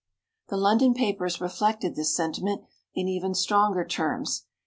The London papers reflected this sentiment in even stronger terms.